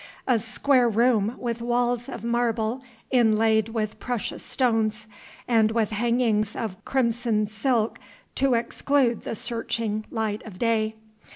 A square room with walls of marble inlaid with precious stones, and with hangings of crimson silk to exclude the searching light of day.